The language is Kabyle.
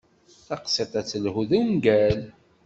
Taqsiṭ-a ad telhu d ungal.